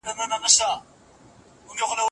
اخلاق مو ښه کړئ.